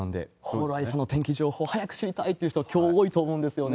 蓬莱さんの天気情報、早く知りたいという人、きょうは多いと思うんですよね。